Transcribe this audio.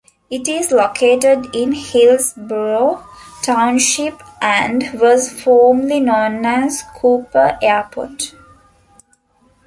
It is located in Hillsborough Township and was formerly known as Kupper Airport.